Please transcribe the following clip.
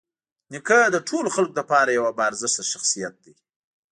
نیکه د ټولو خلکو لپاره یوه باارزښته شخصیت دی.